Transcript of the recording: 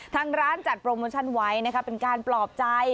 ทางร้านจัดโปรโมชั่นไว้นะคะเป็นการปลอบใจ